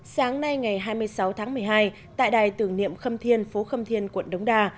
sáng nay ngày hai mươi sáu tháng một mươi hai tại đài tưởng niệm khâm thiên phố khâm thiên quận đống đa